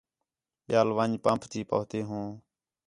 ٻِیال وَن٘ڄ پمپ تی پُہن٘تے ہوں